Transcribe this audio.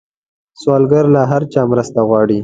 سوالګر له هر چا مرسته غواړي